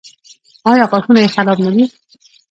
ایا غاښونه یې خراب نه دي؟